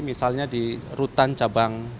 misalnya di rutan cabang